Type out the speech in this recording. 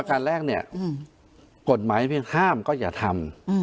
การแรกเนี่ยกฎหมายเพียงห้ามก็อย่าทำ